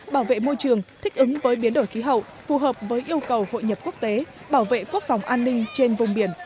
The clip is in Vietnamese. bảo vệ môi trường thích ứng với biến đổi khí hậu phù hợp với yêu cầu hội nhập quốc tế bảo vệ quốc phòng an ninh trên vùng biển